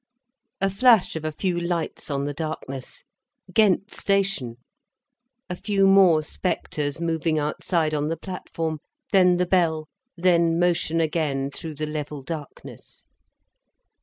A flash of a few lights on the darkness—Ghent station! A few more spectres moving outside on the platform—then the bell—then motion again through the level darkness.